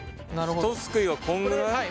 ひとすくいはこんぐらい？